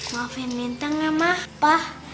maafin lintang ya ma pa